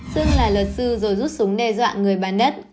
xưng là luật sư rồi rút súng đe dọa người bán đất